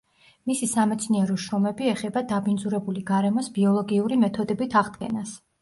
მისი სამეცნიერო შრომები ეხება დაბინძურებული გარემოს ბიოლოგიური მეთოდებით აღდგენას.